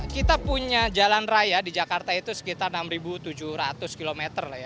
kita punya jalan raya di jakarta itu sekitar enam tujuh ratus km